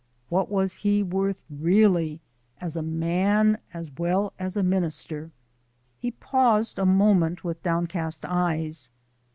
What was he worth REALLY as a man as well as a minister? He paused a moment with downcast eyes.